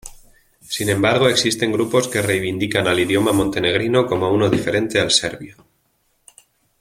Sin embargo, existen grupos que reivindican al idioma montenegrino como uno diferente al serbio.